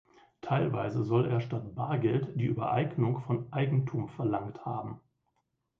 Teilweise soll er statt Bargeld die Übereignung von Eigentum verlangt haben.